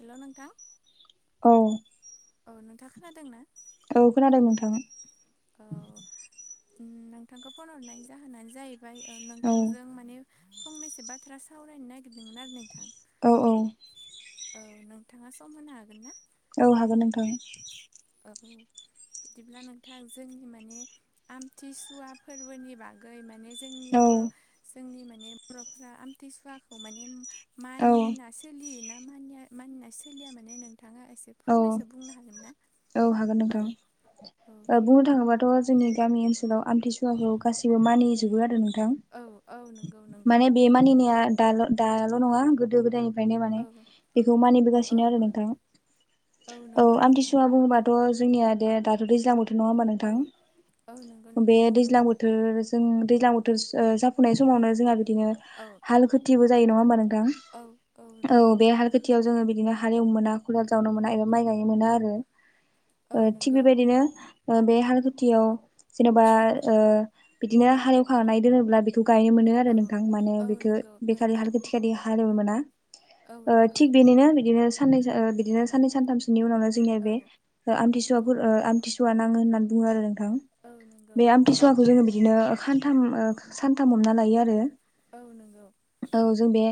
हेल' नोंथां औ औ नोंथा खोनादोंना? औ खोनादों नोंथाङा? औ नोंथांखौ फन हरनाय जाहोनानो जाहैबाय औ नोंथांजों माने फंनैसो बाथ्रा सावरायनो नागिरदोंमोन आरो नोंथां। औ औ। औ नोंथाङा सम होनो हागोन ना? औ हागोन नोंथां। आब' बिदिब्ला नोंथां जोंनि माने आमथिसुवा फोरबोनि बागै माने जोंनि औ बर' जोंनि माने बर'फोरा आमथिसुवाखौ माने औ मानिना सोलियोना मानिया मानिना सोलिया माने नोंथाङा एसे औ फंनैसो बुंनो हागोन ना औ हागोन औ नोंथां? औ बुंनो थाङोबाथ' जोंनि गामि ओनसोलाव आमथिसुवाखौ गासैबो मानिजोबो आरो नोंथां। औ औ नंगौ नंगौ। माने बे मानिनाया द' दाल' नङा गोदो गोदायनि ओंखायनो माने औ बेखौ औ मानिबोगासिनो आरो नोंथां। औ नंगौ नोंथां आमथिसुवा बुङोबाथ' जोंनिया दे दाथ' दैज्लां बो नङा होमबा औ नोंथां? औ नंगौ बे नोंथां नंगौ दैज्लां बोथोर जों दैज्लां बोथोर बथोर जाफुनाय समावनो जोंहा बिदिनो औ हाल खोथिबो जायो नङा होमबा नोंथां? औ नंगौ। खेथियाव जोङो बिदिनो हालेवनो मोना खुलाल जावनो मोना एबा माइ गायनो मोना आरो। औ ओ थिग नंगौ बेबायदिनो ओ बे हाल खुथियाव जेन'बा औ ओ बिदिनो हालेवखानाय दोनोब्ला बेखौ गायनो मोनो आरो औ नोंथां माने औ बेखौ नंगौ बेखालि नंगौ हालखौ [unintelligible] थिग औ नंगौ बेनिनो बिदिनो बिदिनो सननै सानथामसोनि उनावनो जोंनिया औ बे औ आमथिसुवाफोर ओ आम थुवा नाङो होननानै बुङो आरो नोंथां। औ नंगौ। फसुवाखौ जोङो बिदिनो सानथाम सानथाम हमना लायो आरो। औ नंगौ। औ जों बे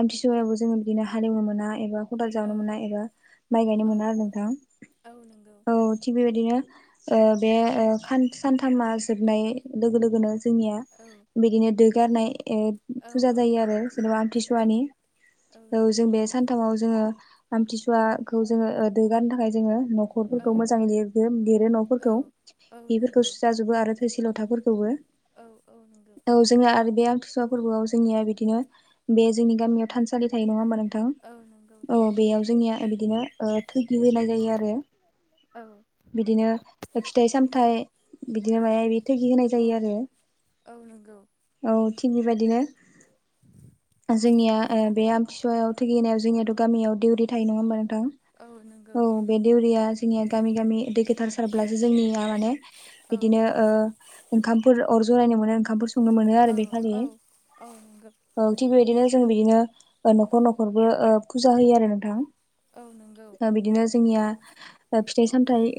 आमथिसुवायावबो जोङो बिदिनो हालेवनो मोना एबा खदाल औ जावनो मोना एबा माइ गायनो औ मोना आरो नंगौ नोंथां। औ नंगौ औ थिग बेबायदिनो ओ बे सानथामा जोबनाय लोगो लोगोनो जोंनिया औ। बिदिनो दोगारनाय ओ औ फुजा जायो आरो जेनेबा औ आमथिसुवानि औ जों बे सान थाव जोङो आमथिसुवाखौ जोङो दोगारनो थाखाय जोङो न'ख औ खरफोरखौ मोजाङै ल लिरो औ न'फोरखौ औ नंगौ बेफोरखौसो जाजोबो आरो थोरसि लथाफोरखौबो औ औ नंगौ। औ जोंना आरो बे आमथुसुवा फोरबोआव जोंनिया बिदिनो बे जोंनि गामियाव थानसालि थायो नङा होनबा औ नंगौ औ नंगौ बेयाव नोंथां जोंनिया बिदिनो थैगि होनाय जायो आरो। औ बिदिनो फिथाइ सामथाइ बिदिनो माबा माबि थैगि होनाय जायो आरो। औ नंगौ। औ थिग बेबायदिनो औ जोंनिया बे आमथिसुवायाव, थगिनायाव जोंनियाथ' गामियाव दिडिउरि थायो नङा होमबा नोंथां औ। बे दउरिया जोंनिया गामि गामि दै गोथार सारब्लासो जोंनिया माने बिदिनो ओ ओंखामफोर अर जरायनो मोनो ओंखामफोर संनो मोनो आरो बे औ खालि। औ औ नंगौ थिग बेबायदिनो जों बिदिनो न'खर औ न'खरबो फुजा होयो आरो नोंथां। औ नंगौ। बिदिनो जोंनिया फिथाइ सामथायाइ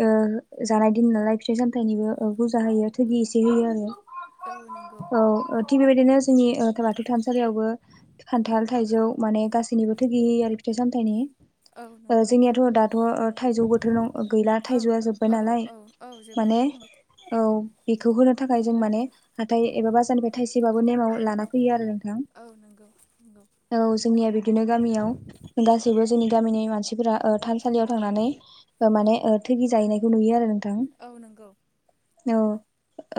जानाय दिन नालाय फिथाइ सामथायाइनिबो बुरजा होयो थगि एसे होयो औ नंगौ आरो। औ थिग बेबायदिनो जोंनि बाथौ थानसालियावबो औ खान्थाल थाइजौ माने गासैनिबोथ' गैयै आरो फिथाइ सामथाइनि औ ओ नंगौ जोंनियाथ' दाथ' थाइजौ बोथोराव गैला औ थाइजौआ जोब्बाय औ नालाय औ औ जोबनानै माने थांबाय औ बेखौ होनो थाखाय जों माने हाथाय एबा बाजारनिफ्राय थाइसेबाबो नेमाव औ लाना फैयो आरो नोंथां। औ नंगौ नंगौ औ जोंनिया बिदिनो गामियाव औ गासैबो जोंनि गामिनि मानसिफोरा ओ थानसालियाव औ थांनानै औ माने थैगि जाहैनायखौ नुयो आरो। नोंथां औ नंगौ औ नंगौ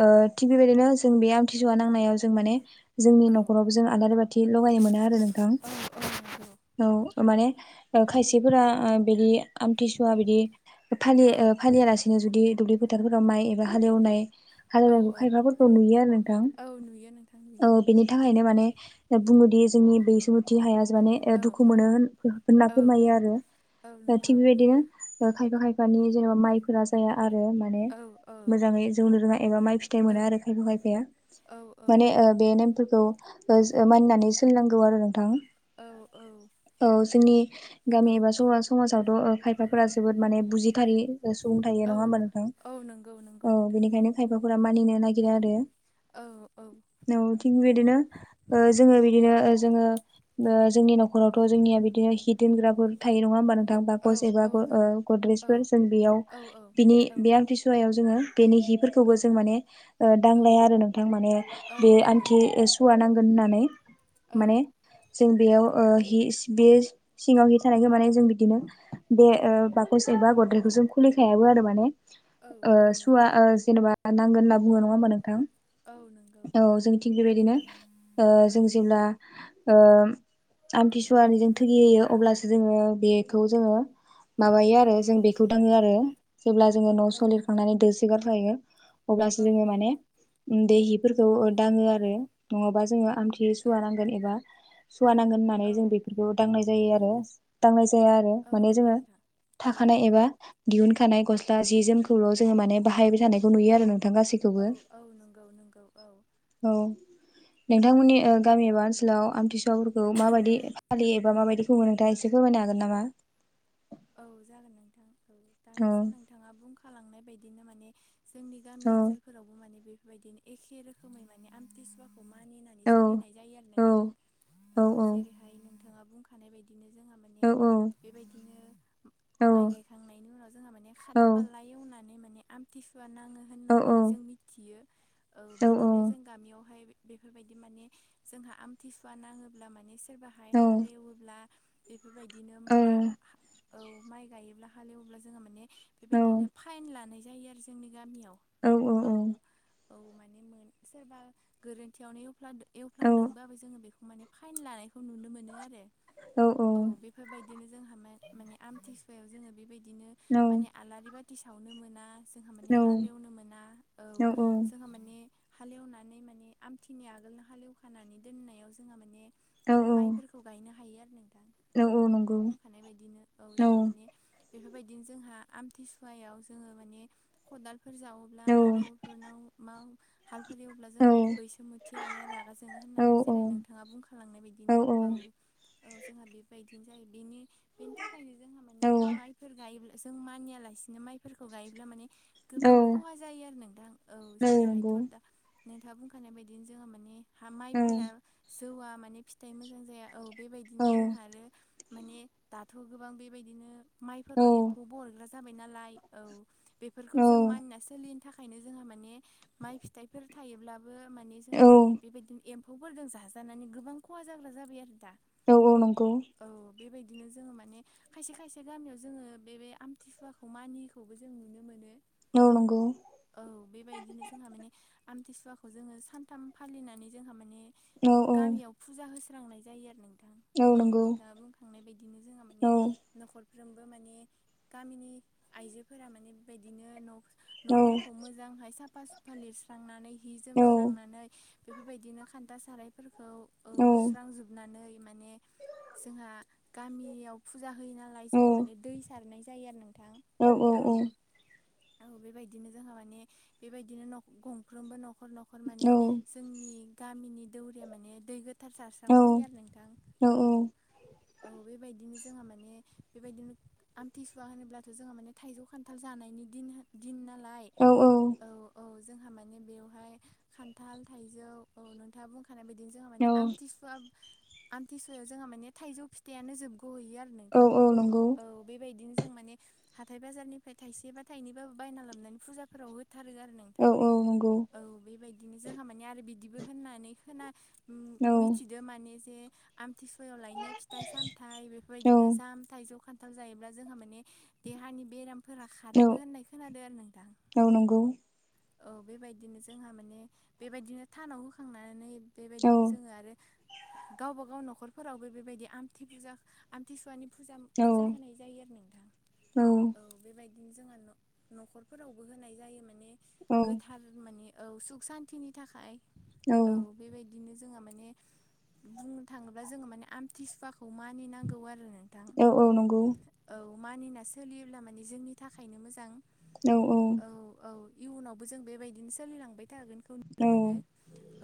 ओ थिग बेबायदिनो जों बे आमथिसुवा नांनायाव जों माने जोंनि औ न'खराव जों आलारि बाथि लगायो मोन आरो नोंथां औ औ नंगौ औ माने खायसेफोरा ओ बिदि आमथिसुवा बिदि फलि औ फालियालासे जुदि दुब्लि फोथारफोराव माइ एबा हालेवनाय औ हालेवनायखौ औ खायफा औ नुयो नोंथां नुयो बेनि थाखायनो माने बुङोदि जोंनि बै समुथि हाया माने औ दुखु मोनो होना। होनना औ फोरमायो औ आरो थि नंगौ बेबायदिनो खायफा खायफानि जेनेबा माइफोरा जाया आरो माने औ औ मोजां बिसब जौनो रोङा एबा माइ फिथाइ औ मोना आरो खायफा खायफाया औ माने बे नेमफोरखौ मानिनानै सोलिनांगौ आरो नोंथां। अ औ औ जोंनि नंगौ गामि एबा स समाजावथ' खायफाफोरा जोबोद माने बुजिथारै सुबुं थायो औ नङा होमबा नोंथां। औ नंगौ नंगौ औ नोंथां बेनिखायनो खायफाफोरा मानिनो नागिरा आरो। औ औ थिग बिदिनो जोङो बिदिनो जोङो जोंनि न'खरावथ' जोंनिया बि बिदिनो हि दोनग्राफोर थायो नङा होमबा नों औ बाखस एबा औ नों औ गद्रेसफोर ओ जों बेव औ बिनि आ औ सुवायाव जोङो बेनि हिफोरखौबो औ जों माने दांलाया आरो औ नोंथां माने। औ बे नंगौ आमथि सु सुवा नांगोन होननानै औ माने जों बेयाव ओ हिस बे सिङाव हि थानायखौ माने जों बिदिनो बे औ बाखसे एबा गद्रायखौ जों खुलिखायाबो आरो माने औ ओ औ नंगौ सुवा ओ नोंथां जेनेबा नांगोन होनना बुङो नङा होनोमा नोंथां। औ नंगौ। औ जों थिग बेबायदिनो ओ औ जों जेल्बा ओ आमथिुवानि थुगि होयो अब्लासो जोङो औ बेखौ जोङो। माबायो आरो जों बेखौ दाङो आरो जेब्ला जोङो न'सहै- औ नंगौ सलिखांनानै दोसिगार जायो औ अब्लासो जोङो औ माने दै औ हिफोरखौ नंगौ दाङो आरो नङाबा जोङो आमथि औ सुवा नांगोन एबा सुवा नांगोन होननानै औ जों बेफोरखौ दांनाय जायो आरो दांनाय जाया आरो औ माने नंगौ जोङो नोंथां औ थाखानाय औ एबा दिहुनखानाय गस्ला औ जि जोमखौल' जोङो माने बाहायबाय थानायखौ नुयो आरो नोंथां सिगाङा औ औ नंगौ नंगौ औ औ नोंथांमोननि गामि एबा ओनसोलाव आमथिसुवाफोरखौ औ माबायदि फालि एबा माबायदि खुङो नोंथाङासे फोरमायनो हागोन नामा औ जागोन नोंथां औ औ दानिसो नोंथाङा बुंखालांनाय बायदिनो माने जोंनि गामि औ ओनसोलफोरावबो माने बेफोरबायदिनो एखे रोखोमै माने आमथिसुवाखौ मानिनानै औ सोलिनाय जायो आरो औ नोंथां औ जेरैहाय नोंथा बुं हानाय बायदिनो जोंहा औ माने बेबायदिनो औ माइ गायखांनायनि उनाव जोंहा माने औ खातफाला एवनानै माने आमथिसुवा नाङो औ औ होननानै जों मिथियो औ बिदिनो जों गामियावहाय बेफोरबायदि माने जोंहा आमथिसुवा नाङोब्ला माने सोरबाहाय हालेवोब्ला बेफोरबायदिनो मा औ माइ गायोब्ला हालेवब्ला जोङो माने बेबायदिनो फाइन लानाय जायो आरो जोंनि गामियाव औ औ औ औ औ माने मोन सोरबा गोरोन्थियावनो अफ्ला औ एवफ्लांदोंबाबो जोङो बेखौ माने फाइन लानायखौ नुनो मोनो आरो औ बे बेफोरबायदिनो जोंहा माने आमथिसुवायाव जोङो बेबायदिनो माने आलारि बाथि सावनो मोना जोंहा माने हालेवनो मोना औ जोंहा माने हालेवनानै माने आमथिनि आगोलनो हालेवखानानै दोननायाव जोङो माने माइफोरखौ गायनो हायो आरो नोंथां औ नोंथाङा बुंखानाय बायदिनो औ जोंहा माने बेफोरबायदिनो जोंहा आमथिसुवायाव जोङो माने खदालफोर जावोब्ला औ हालेवफोरनाव मा हाल फालि अब्ला औ जोंहा माने बैसोमुथि आायो रागा जोङो होननानै जेरै नोंथाङा बुंखालांनाय औ बायदिनो औ औ जोंहा बेबायदिनो जायो बेनि ओंखायनो जोंहा औ माने माइफोर गायोब्ला जों मानियालासिनो माइफोरखौ गायोब्ला माने औ गोबां खहा नंगौ जायो आरो नोंथां औ जेरैहायथ' दा नोंथाङा बुंखानाय बायदिनो जोङहा माने हा माइफोरा औ जौवआ माने फिथाइ मोजां जाया औ बेबायदिनो जोंहा आरो माने दाथ' गोबां बेबायदिनो औ माइफोराव एम्फौबोग्रा जाबाय नालाय औ बेफोरखौ औ जों औ मानिना सोलिनि थाखायनो जोंहा माने माइ फिथाइ बेफोर थायोब्लाबो माने जोंहा औ माने बेबायदिनो एम फोरजों जाजानानै गोबां खहा जाग्रा जाबाय आरो दा औ औ नंगौ औ बेबायदिनो जोङो माने खायसे खायसे गामियाव जोङो बे आमथिसुवाखौ मानियैखौबो जों नुनो मोनो औ नंगौ औ बेबायदिनो जोंहा माने आमथिसुवाखौ जोङो सानथाम फालिनानै जोंहा माने औ औ गामियाव फुजा होस्रांनाय जायो आरो नोंथां औ नोंथाङा बुंखांनाय बायदिनो जोंहा औ बे न'खरफ्रोमबो माने गामिनि आइजोफोरा माने बेबायदिनो न' औ न'फोरखौ मोजांहाय साफा सुफा लिरस्रांनानै हि जोमस्रांनानै बेफोरबायदिनो खान्था सारायफोरखौ औ सुस्रां जोब नानै माने जोंहा गामियाव फुजा होयो नालाय जोङो माने औ दै सारनाय जायो आरो नोंथां औ औ बेबायदिनो जोंहा माने बेबायदिनो गंफ्रोमबो न'ख न'खर न'खर माने औ जोंनि गामिनि दौरिया माने दै थार जारस्रांफैयो आरो नोंथां औ औ बेबायद दिनो जोंहा माने बेबायदिनो आमथिसुवा होनोब्लाथ' जोंहा माने थाइजौ खान्थाल जानायनि दिन हो नाल नाय औ औ औ। जोंहा माने बेवहाय खान्थाल थाइजौ औ नोंथाङा बुंख [unintelligible] खानाय बेदिनो जोंहा माने आमथिसुवा आमथिसुवायाव जोंहा माने थाइजौ फिथाइयानो जोबग' होयो [unintelligible] औ नोंथां औ नंगौ औ बेबायदिनो जों माने हाथाय बाजारनिफ्राय थाइसे बा थाइनैबाबो बायना लाबनानै फुजाफोराव होथारगो आरो नों औ औ नंगौ। औ बेबायदिनो जोंहा मानिे आरो बिदिबो होननानै खोना औ मिथि माने जे आमथिसुवायाव लायनो फिथाइ सामथाइ बेफोरबायदिनो जाम थाइजौ खान्थाल गोथाव जायोब्ला जोंहा माने देहानि बेरामफोरा खारोबो होननाय खोनादों आरो नों दां औ नंगौ। औ बेबायदिनो जोंहा माने बेबायदिनो थानाव होखांनानै औ बेबायदिनो जोङो आरो गावबागाव न'खरफोरावबो बेबायदि आमथि फुजा [unintelligible] आमथिसुवानि फुजाम औ फुजा होनाय जायो आरो नोंथां औ बेबायदिनो जोंहा न' न'खरफोरावबो होनाय जायो माने औ गोथार माने औ सुख सान्तिनि थाखाय औ बेबायदिनो जोंहा माने बुंनो थाङोब्ला जोङो माने आमथिसुवाखौ मानि नांगौ आरो नो थां औ औ नंगौ औ मानिना सोलियोब्ला माने जोंनि थाखायनो मोजां। औ औ। औ औ इयुनावबो जों बेबायदिनो सोलिलांबाय थागोनखौ नुनो औ मोनो।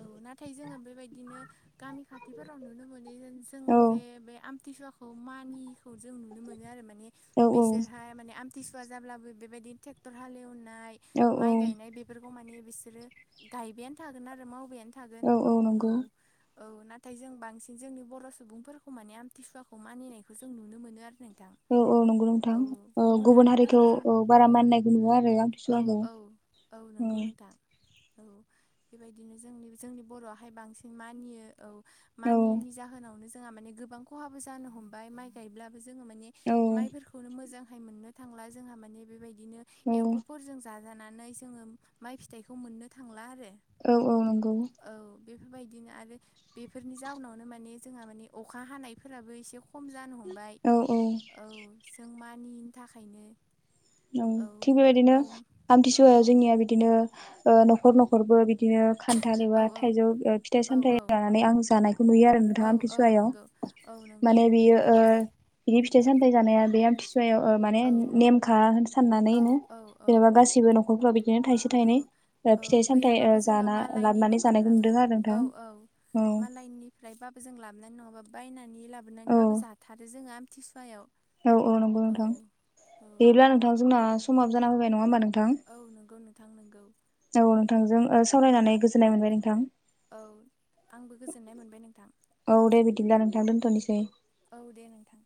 औ नाथाय जोङो बेबायदिनो गामि खाथिफोराव नुनो मोनो [unintelligible] जों जे बे आम थिसुवाखौ मानियिखौ जों नुनो मोनो आरो माने बेसोरहाय माने आम थिसुवा जाब्लाबो बेबायदिन थेक्टर हालेवनाय औ औ। [unintelligible] बेफोरखौ माने बिसोरो गायबायानो थागोन आरो मावबायानो थागोन औ औ औ। नंगौ औ नाथाय जों बांसिन जोंनि बर' सुबुंफोरखौ माने आमथिसुवाखौ मानिनायखौ जों नुनो मोनो आरो नोंथां। औ औ नंगौ नोंथां औ गुबुन हारिखौ हारिफोरखौ जों बारा औ मानिनायखौ नुवा आरो औ आमथिसुवाखौ औ। औ नंगौ नोंथां। औ बेबायदिनो जोंनि जोंनि बर'वाहाय बांसिन मानियो औ औ मानियिनि जाहोनावनो जोंहा माने गोबां खहाबो जानो हमबाय माइ गायब्लाबो जोङो माने औ माइफोरखौनो मोजांहाय मोननो थांला जोंहा माने बेबायदिनो औ एम्फौफोरजों जाजानानै जोङो माइ फिथाइखौ मोननो थांला आरो। औ औ नंगौ। औ बेफोरबायदिनो आरो बेफोरनि जाउनावनो माने जोंहा माने अखा हानायफोराबो एसे ख खम जानो हमबाय औ जों मानियिनि थाखायनो औ थिग बेबायदिनो औ औ आमथिसुवायाव जोंनिया बिदिनो ओ न'खर न'खरबो बि [unintelligible] दिनो खान्थाल एबा औ औ थाइजौ ओ फिथाइ- सामथाइ औ लानानै आं जानाय खौ नुयो आरो औ नोंथाङा औ आमथिसुवायाव नंगौ औ माने नंगौ बियो ओ बिनि फिथाइ -सामथाय जानाया बे आमथिसुवायाव ओ माने औ नेम खा होन औ साननानैनो औ औ जेनेबा गासिबो न'खरफ्राव बिदिनो थाइसे औ थाइनै ओ औ फिथाइ सामथाइ ओ गैयाबाबो जोङो जाना मालायनि लाबोनानै जानायखौ नङाब्लाबो नुदों आरो औ नोंथां औ औ मालायनि फ्रायबाबो जों लाबनानै नङाबा बायनानै औ लाबोनानैबाबो जाथारो जोङो आमथिसुवायाव। औ औ नंगौ नोंथां औ बिदिब्ला नोंथां जोंना समाबो जाना फैबाय नङा होमबा नोंथां‌। औ नंगौ नोंथां नोंगौ। औ नोंथांजों ओ सावरायनानै गोजोननाय मोनबाय नोंथां। औ आंबो गोजोननाय मोनबाय नोंथां औ दे औ। बिदिब्ला नोंथां दोनथ'नोसै औ दे नोंथां।